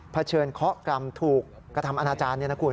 เผชิญเคาะกรรมถูกกระทำอนาจารย์นี้นะคุณ